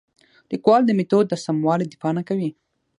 لیکوال د میتود د سموالي دفاع نه کوي.